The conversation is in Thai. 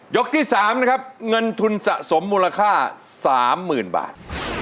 ที่๓นะครับเงินทุนสะสมมูลค่า๓๐๐๐บาท